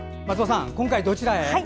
松尾さん、今回どちらへ？